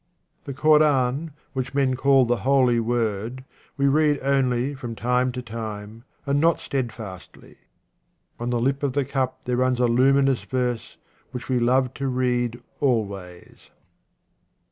The Koran, which men call the Holy Word, we read only from time to time and not steadfastly. On the lip of the cup there runs a luminous verse which we love to read always.